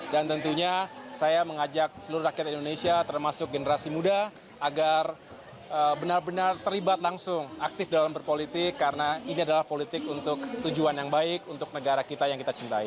dan tentunya saya mengajak seluruh rakyat indonesia termasuk generasi muda agar benar benar terlibat langsung aktif dalam berpolitik karena ini adalah politik untuk tujuan yang baik untuk negara kita yang kita cintai